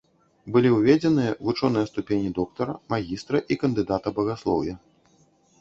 Былі ўведзеныя вучоныя ступені доктара, магістра і кандыдата багаслоўя.